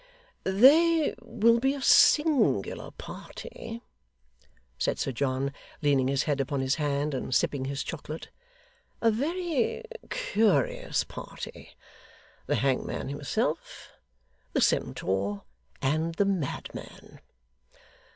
'They will be a singular party,' said Sir John, leaning his head upon his hand, and sipping his chocolate; 'a very curious party. The hangman himself; the centaur; and the madman.